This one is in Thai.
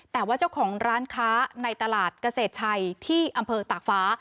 แต่ว่าเจ้าของร้านค้าในตลาดเกษตรชัยที่อำเภอตากฟ้า